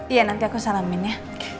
iya nanti aku salamin ya